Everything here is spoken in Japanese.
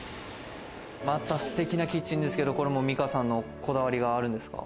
またステキなキッチンですけど、これも美夏さんのこだわりがあるんですか？